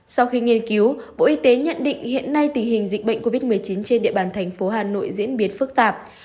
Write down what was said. sau khi nghiên cứu bộ y tế nhận định hiện nay tình hình dịch bệnh covid một mươi chín trên địa bàn thành phố hà nội diễn biến phức tạp